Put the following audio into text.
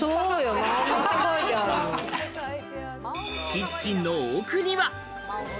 キッチンの奥には。